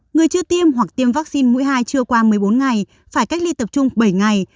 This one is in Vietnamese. người chưa tiêm hoặc tiêm vaccine mũi hai chưa qua một mươi bốn ngày phải cách ly tập trung bảy ngày